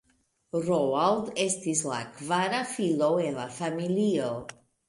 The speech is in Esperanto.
Roald estis la kvara filo en la familio.